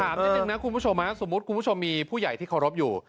นิดนึงนะคุณผู้ชมสมมุติคุณผู้ชมมีผู้ใหญ่ที่เคารพอยู่